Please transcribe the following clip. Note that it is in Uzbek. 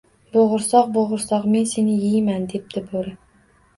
— Bo’g’irsoq, bo’g’irsoq, men seni yeyman, — debdi bo’ri